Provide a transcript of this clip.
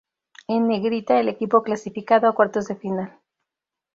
En negrita el equipo clasificado a cuartos de final.